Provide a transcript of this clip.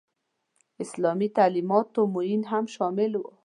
اسلامي تعلیماتو معین هم شامل وي.